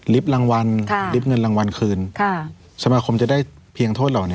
รางวัลลิฟต์เงินรางวัลคืนสมาคมจะได้เพียงโทษเหล่านี้